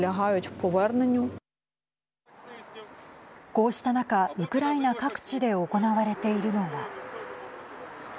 こうした中、ウクライナ各地で行われているのが。